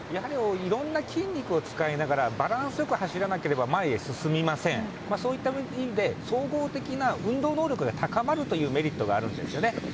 いろんな筋肉を使いながらバランスよく走らなければ前へ進みません、そういった意味で総合的な運動能力が高まるというメリットがあるんですね。